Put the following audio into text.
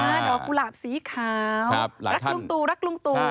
ดอกกุหลาบสีขาวรักลุงตูรักลุงตู